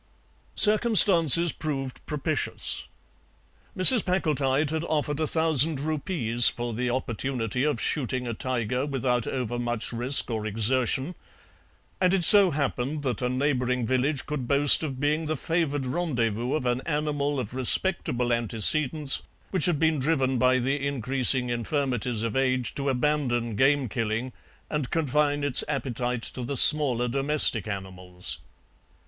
Circumstances proved propitious. Mrs. Packletide had offered a thousand rupees for the opportunity of shooting a tiger without overmuch risk or exertion, and it so happened that a neighbouring village could boast of being the favoured rendezvous of an animal of respectable antecedents, which had been driven by the increasing infirmities of age to abandon game killing and confine its appetite to the smaller domestic animals.